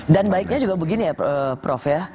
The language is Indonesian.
dan baiknya juga begini ya prof ya